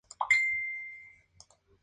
Juárez a unos pasos del Palacio Municipal.